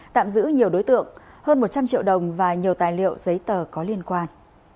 tạm giữ nhiều đối tượng hơn một trăm linh triệu đồng và nhiều tài liệu giấy tờ có liên quan